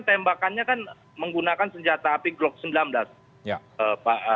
tembakannya kan menggunakan senjata api glock sembilan belas